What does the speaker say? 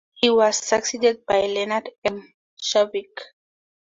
He was succeeded by Lenard M. Shavick.